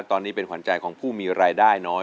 ตอนนี้เป็นขวัญใจของผู้มีรายได้น้อย